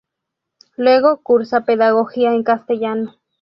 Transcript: Luego cursa pedagogía en castellano.